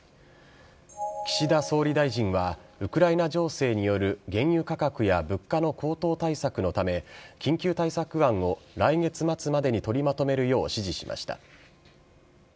岸田総理大臣は、ウクライナ情勢による原油価格や物価の高騰対策のため、緊急対策案を来月末までに取りまとめるよう指示しました。